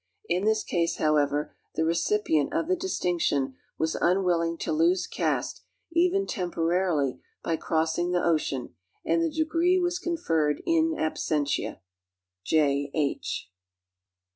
In this case, however, the recipient of the distinction was unwilling to lose caste, even temporarily, by crossing the ocean, and the degree was conferred in absentia. J. H.